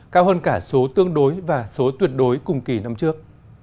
đây là số tương đối và số tuyệt đối cùng kỳ năm trước